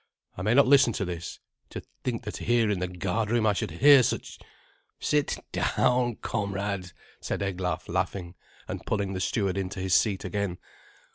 "I may not listen to this. To think that here in the guardroom I should hear such " "Sit down, comrade," said Eglaf, laughing, and pulling the steward into his seat again.